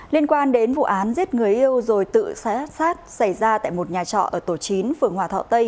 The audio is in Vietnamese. liên quan đến vụ án giết người yêu rồi tự sát xảy ra tại một nhà trọ ở tổ chín phường hòa thọ tây